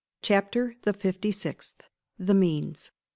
CHAPTER THE FIFTY SIXTH. THE MEANS.